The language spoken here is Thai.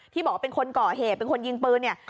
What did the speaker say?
ที่บอกว่าเป็นคนก่อเหตุเป็นคนยิงปืนเนี่ย